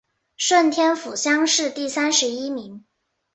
顺天府乡试第三十一名。